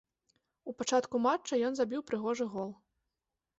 У пачатку матча ён забіў прыгожы гол.